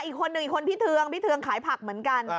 อีกคนนึงอีกคนพี่เทืองพี่เทืองขายผักเหมือนกัน